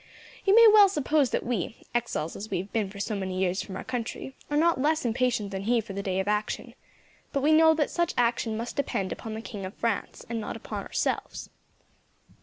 You may well suppose that we, exiles as we have been for so many years from our country, are not less impatient than he for the day of action; but we know that such action must depend upon the King of France, and not upon ourselves.